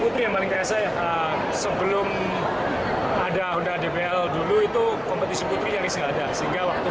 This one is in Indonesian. tim nas adalah pemain alumni dari sini